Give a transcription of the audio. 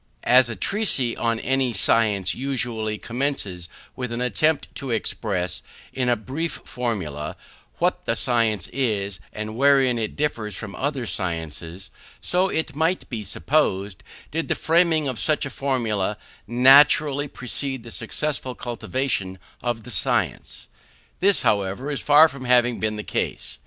As a treatise on any science usually commences with an attempt to express, in a brief formula, what the science is, and wherein it differs from other sciences, so, it might be supposed, did the framing of such a formula naturally precede the successful cultivation of the science. This, however, is far from having been the case.